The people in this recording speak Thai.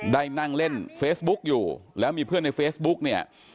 ได้นั่งเล่นเฟซบุ๊กอยู่แล้วมีเพื่อนในเฟซบุ๊กเนี่ย